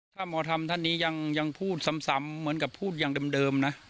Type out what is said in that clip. ถ้าหมอธรรมท่านนี้ยังพูดซ้ำเหมือนกับพูดอย่างเดิมนะ